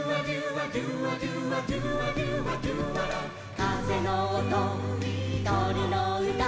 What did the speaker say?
「かぜのおととりのうた」